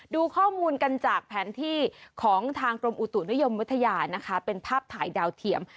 ดูข้อมูลกันจากแผนที่ของทางกรมอุตุนิยมวิทยานะคะเป็นภาพถ่ายดาวเทียม